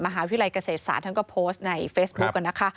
มหาวิทยาลัยเกษตรศาสตร์ท่านก็โพสต์ในเฟซบุ๊กนะคะ